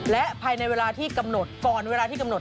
และภายในเวลาที่กำหนดก่อนเวลาที่กำหนด